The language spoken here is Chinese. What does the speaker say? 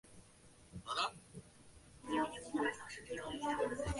拉布河畔基希贝格是奥地利施蒂利亚州费尔德巴赫县的一个市镇。